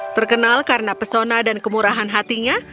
terkenal karena pesona dan kemurahan hatinya